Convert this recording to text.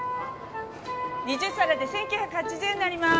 ２０皿で１９８０円になります。